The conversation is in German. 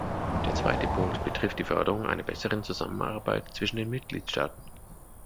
Der zweite Punkt betrifft die Förderung einer besseren Zusammenarbeit zwischen den Mitgliedstaaten.